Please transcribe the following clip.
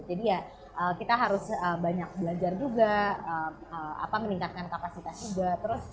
jadi ya kita harus banyak belajar juga meningkatkan kapasitas juga